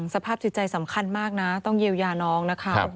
สภาพจิตใจสำคัญมากนะต้องเยียวยาน้องนะคะ